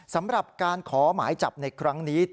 สำหรับการขอหมายจับในครั้งนี้